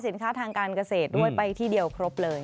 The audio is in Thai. ทางการเกษตรด้วยไปที่เดียวครบเลย